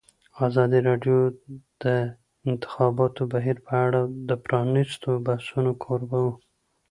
ازادي راډیو د د انتخاباتو بهیر په اړه د پرانیستو بحثونو کوربه وه.